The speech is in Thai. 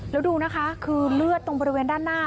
แล้วดูนะคะคือเลือดตรงบริเวณด้านหน้า